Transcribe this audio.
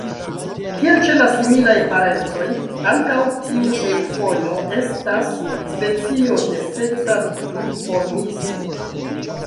Kiel ĉe la similaj parencoj, ankaŭ tiu eŭfonjo estas specio de seksa duformismo.